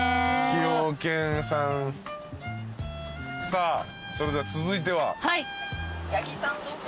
さあそれでは続いては？